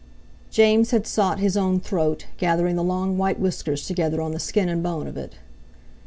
James had sought his own throat, gathering the long white whiskers together on the skin and bone of it.